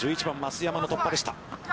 １１番増山の突破でした。